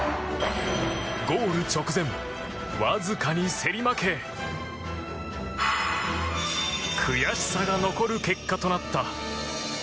ゴール直前、わずかに競り負け悔しさが残る結果となった。